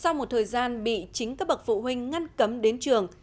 sau một thời gian bị chính các bậc phụ huynh ngăn cấm đến trường